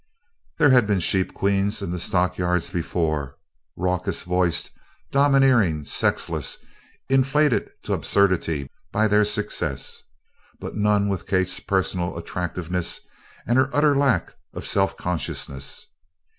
There had been "sheep queens" in the stockyards before raucous voiced, domineering, sexless, inflated to absurdity by their success but none with Kate's personal attractiveness and her utter lack of self consciousness.